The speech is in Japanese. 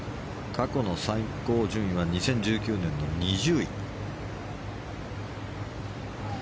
過去の最高順位は２０１９年の２０位。